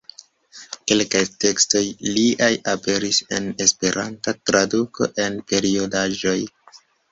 Kelkaj tekstoj liaj aperis en Esperanta traduko en periodaĵoj.